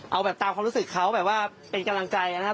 เอาแบบตามความรู้สึกเขาแบบว่าเป็นกำลังใจนะครับ